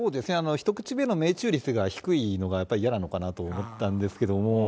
１口目の命中率が低いのがやっぱり嫌なのかなと思ったんですけども。